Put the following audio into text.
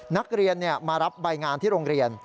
นักเรียนมารับใบงานที่โรงเรียน